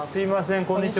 こんにちは。